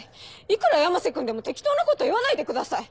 いくら山瀬君でも適当なこと言わないでください！